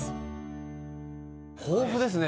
豊富ですね